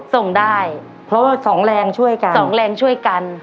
ส่งได้เพราะว่าสองแรงช่วยกันสองแรงช่วยกัน